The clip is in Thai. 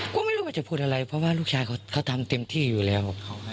ก็ไม่รู้ว่าจะพูดอะไรเพราะว่าลูกชายเขาทำเต็มที่อยู่แล้ว